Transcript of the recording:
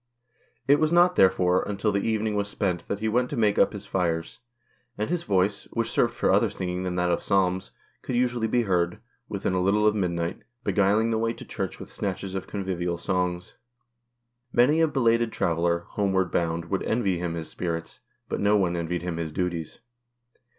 It was not, therefore, until the evening was spent that he went to make up his fires; and his voice, which served for other singing than that of Psalms, could usually be heard, within a little of midnight, beguiling the way to Church with snatches of convivial songs. Many a belated traveller, homeward bound, would envy him his spirits, but no one envied him his duties.